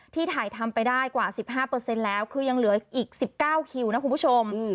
ถ่ายทำไปได้กว่า๑๕แล้วคือยังเหลืออีก๑๙คิวนะคุณผู้ชม